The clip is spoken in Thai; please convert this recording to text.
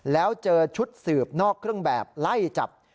แล้วเจอชุดสืบนอกเครื่องแบบไล่จับ